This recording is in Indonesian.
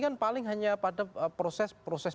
kan paling hanya pada proses proses